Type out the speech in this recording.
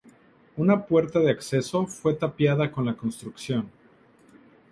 Una puerta de acceso fue tapiada con la construcción.